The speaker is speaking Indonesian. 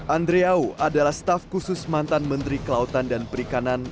andreau adalah staf khusus mantan menteri kelautan dan perikanan